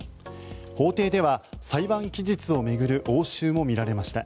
法廷では裁判期日を巡る応酬も見られました。